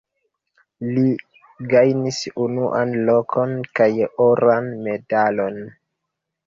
Li gajnis unuan lokon kaj oran medalon.